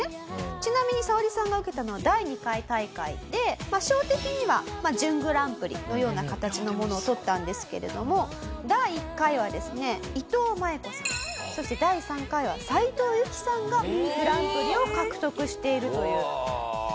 ちなみにサオリさんが受けたのは第２回大会で賞的には準グランプリのような形のものを取ったんですけれども第１回はですねいとうまい子さんそして第３回は斉藤由貴さんがグランプリを獲得しているというすごい賞です。